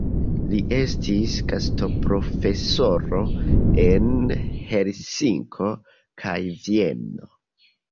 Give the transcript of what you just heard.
Li estis gastoprofesoro en Helsinko kaj Vieno.